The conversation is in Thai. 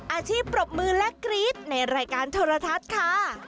อาชีพปรบมือและกรี๊ดในรายการโทรทัศน์ค่ะ